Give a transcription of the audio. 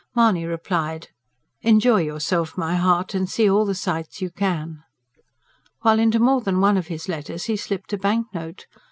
Mahony replied: ENJOY YOURSELF, MY HEART, AND SET ALL THE SIGHTS YOU CAN. While into more than one of his letters he slipped a banknote.